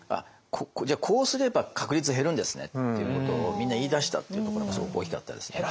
じゃあこうすれば確率減るんですねっていうことをみんな言いだしたっていうところがすごく大きかったですね。